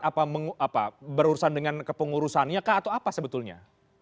apa berurusan dengan kepengurusannya kah atau apa sebetulnya